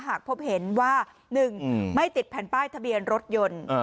หากพบเห็นว่า๑ไม่ติดแผ่นป้ายทะเบียนรถยนต์